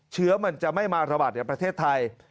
เชื้อมันจะไม่มาอธบาทอย่างประเทศไทย